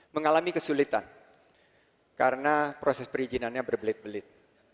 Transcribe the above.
mengalami kesulitan karena proses perizinannya berbelit belit